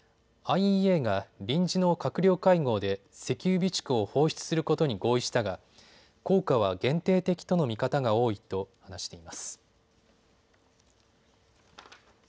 ＩＥＡが臨時の閣僚会合で石油備蓄を放出することに合意したが効果は限定的との見方が多いと話しています。